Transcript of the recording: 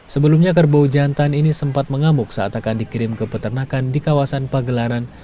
sebelumnya kerbau jantan ini sempat mengamuk saat akan dikirim ke peternakan di kawasan pagelaran